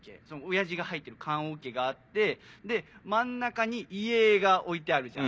親父が入ってる棺おけがあってで真ん中に遺影が置いてあるじゃん。